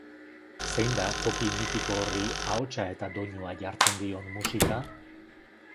Zein da toki mitiko horri ahotsa eta doinua jartzen dion musika?